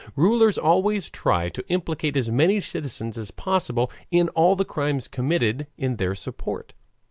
Rulers always try to implicate as many citizens as possible in all the crimes committed in their support.